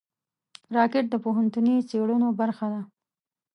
راکټ د پوهنتوني څېړنو برخه ده